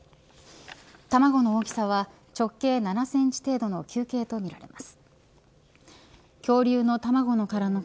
卵の大きさは直径７センチ程度の球形とみられます。